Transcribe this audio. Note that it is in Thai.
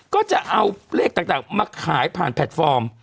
ก็จะเอาเลขต่างมาขายผ่านแพลตฟอร์ม